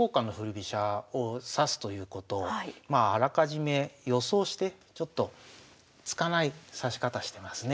飛車を指すということをあらかじめ予想してちょっと突かない指し方してますね。